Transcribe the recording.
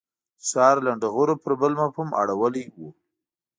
ښار لنډه غرو پر بل مفهوم اړولې وه.